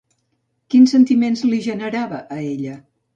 Quins sentiments li generava a ella?